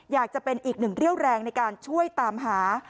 อยากจะเป็นอีกหนึ่งเรี่ยวแรงในการช่วยตามหา